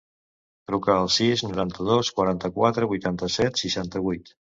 Truca al sis, noranta-dos, quaranta-quatre, vuitanta-set, seixanta-vuit.